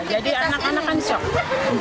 jadi anak anak itu dipaksa untuk keluar